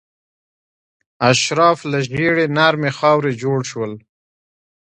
اشراف له ژیړې نرمې خاورې جوړ شول.